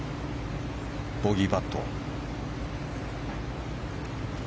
ボギーパット。